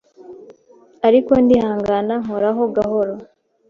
ariko ndihangana nkoraho gahora